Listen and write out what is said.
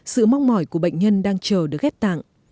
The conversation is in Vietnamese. sự mong mỏi của bệnh nhân đang chờ được ghép tạng